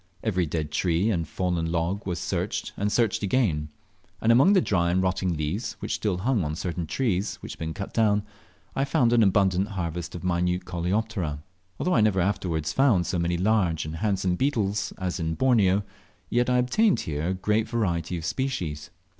Every dead tree and fallen log was searched and searched again; and among the dry and rotting leaves, which still hung on certain trees which had been cut down, I found an abundant harvest of minute Coleoptera. Although I never afterwards found so many large and handsome beetles as in Borneo, yet I obtained here a great variety of species.